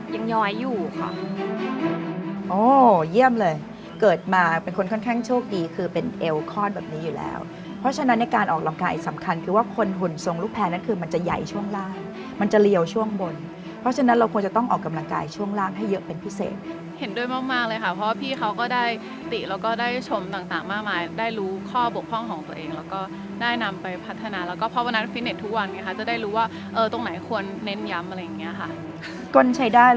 หนูอ่ะอยากเออลดขามานานแล้วแต่ว่าทำเท่าไหร่มันก็ยังยอยอยู่ค่ะ